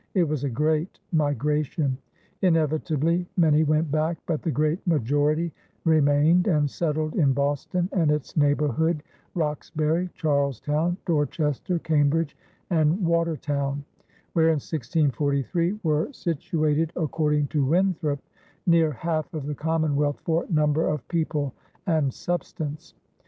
It was a great migration. Inevitably many went back, but the great majority remained and settled in Boston and its neighborhood Roxbury, Charlestown, Dorchester, Cambridge, and Watertown, where in 1643 were situated according to Winthrop "near half of the commonwealth for number of people and substance."